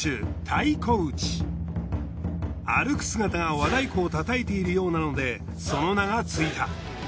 歩く姿が和太鼓を叩いているようなのでその名がついた。